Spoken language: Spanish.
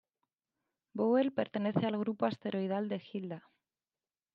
Bowell pertenece al grupo asteroidal de Hilda.